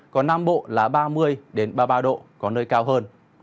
còn nam bộ là ba mươi ba mươi ba độ có nơi cao hơn